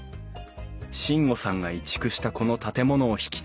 進悟さんが移築したこの建物を引き継ぎ